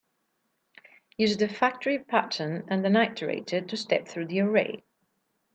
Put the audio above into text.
Use the factory pattern and an iterator to step through the array.